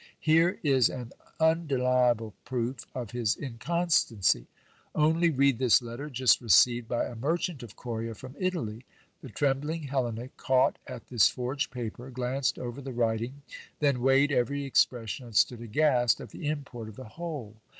Here is an undeniable proof of his inconstancy. Only read this letter just received by a merchant of Coria from Italy. The trembling Helena caught at this forged paper ; glanced over the writing ; then weighed every expression, and stood aghast at the import of the whole.